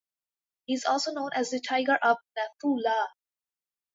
He is also known as the Tiger of Nathu La.